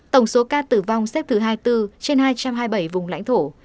tổng số ca tử vong xếp thứ hai mươi bốn trên hai trăm hai mươi bảy vùng lãnh thổ